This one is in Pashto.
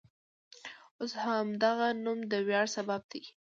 اوس همدغه نوم د ویاړ سبب دی.